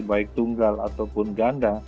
baik tunggal ataupun ganda